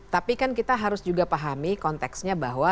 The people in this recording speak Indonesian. tapi kan kita harus juga pahami konteksnya bahwa